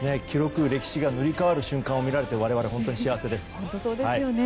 記録、歴史が塗り変わる瞬間を見られて我々、本当に幸せです。